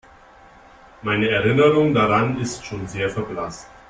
Meine Erinnerung daran ist schon sehr verblasst.